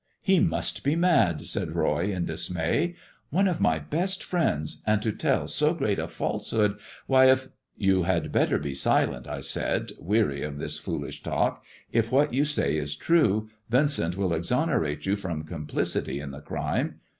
"He must be mad," said Koy, in dismay; "one of my best friends, and to tell so great a falsehood. Why, if "" You had better be silent," I said, weary of this foolish talk ;" if what you say is true, Vincent will exonerate you from complicity in the crime.